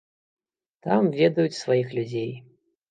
Там ведаюць сваіх людзей.